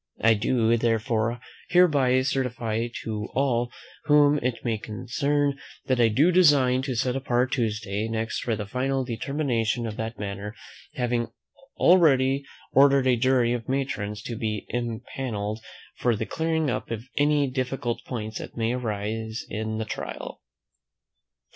I do, therefore, hereby certify to all whom it may concern, that I do design to set apart Tuesday next for the final determination of that matter, having already ordered a jury of matrons to be impannelled, for the clearing up of any difficult points that may arise in the trial.